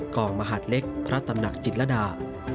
มหาดเล็กพระตำหนักจิตรดา